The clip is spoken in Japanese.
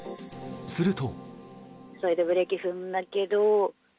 すると。